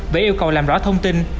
về yêu cầu làm rõ thông tin